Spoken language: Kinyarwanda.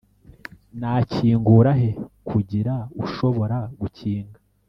nakingura, he kugira ushobora gukinga,